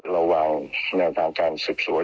ระวังในทางการสืบสวน